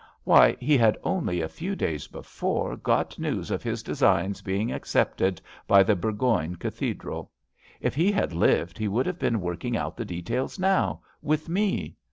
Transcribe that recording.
Why, he had only a few days before got news of his designs being ac cepted by the Burgoyne Cathedral. If he had lived he would have been working out the details now — ^with me."